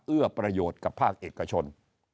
เอื้อประโยชน์กับภาคเอกชน